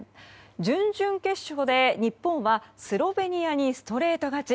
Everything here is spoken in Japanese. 準々決勝で日本はスロベニアにストレート勝ち。